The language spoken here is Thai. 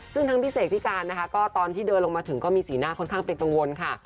ซึ่งทั้งพี่เสกพี่การนะคะก็ตอนที่เดินลงมาถึงก็มีสีหน้าค่อนข้างเป็นกังวลค่ะ